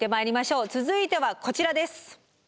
続いてはこちらです。